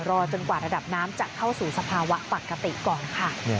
จนกว่าระดับน้ำจะเข้าสู่สภาวะปกติก่อนค่ะ